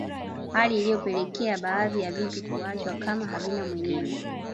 Hali iliyopelekea baadhi ya vitu kuachwa kama havina mwenyewe